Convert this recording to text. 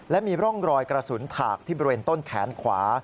และมีร่องรอยกระสุนถากที่บริเวณต้นแขนขวา